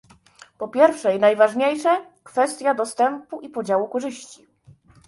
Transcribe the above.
Po pierwsze i najważniejsze, kwestia dostępu i podziału korzyści